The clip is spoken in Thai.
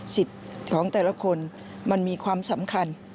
ของแต่ละคนมันมีความสำคัญ